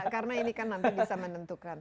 karena ini kan nanti bisa menentukan